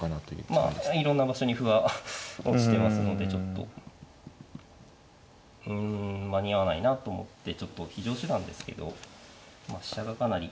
まあいろんな場所に歩は落ちてますのでちょっとうん間に合わないなと思ってちょっと非常手段ですけどまあ飛車がかなり。